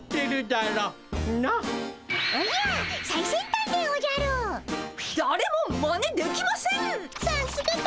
だれもまねできませんっ！